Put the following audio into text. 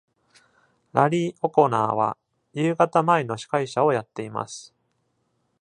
ラリー・オコナーは、夕方前の司会者をやっています。